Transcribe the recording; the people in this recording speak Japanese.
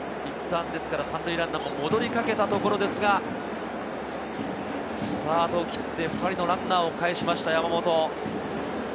いったん３塁ランナーも戻りかけたところですが、スタートを切って、２人のランナーをかえしました、山本。